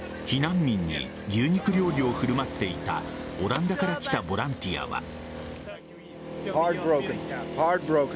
避難民に牛肉料理を振る舞っていたオランダから来たボランティアは。